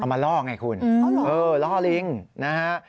มาล่อไงคุณเออล่อลิงนะฮะ